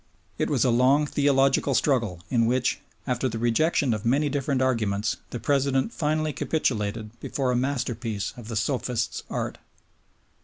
It was a long theological struggle in which, after the rejection of many different arguments, the President finally capitulated before a masterpiece of the sophist's art.